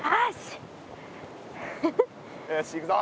よしいくぞ！